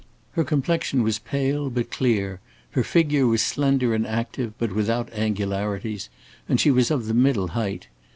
Her complexion was pale, but clear, her figure was slender and active, but without angularities, and she was of the middle height.